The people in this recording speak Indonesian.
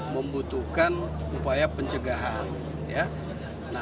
membutuhkan upaya pencegahan